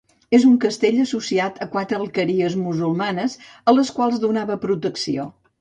És un castell associat a quatre alqueries musulmanes, a les quals donava protecció.